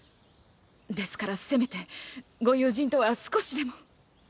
ですからせめてご友人とは少しでも。